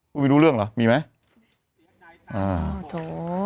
ไม่รู้เรื่องเหรอมีไหมอ่าโถ